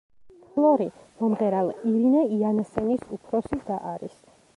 ფლორი მომღერალ ირინე იანსენის უფროსი და არის.